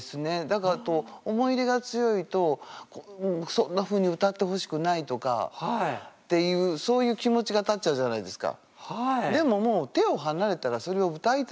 だから思い入れが強いとそんなふうに歌ってほしくないとかっていうそういう気持ちが立っちゃうじゃないですか。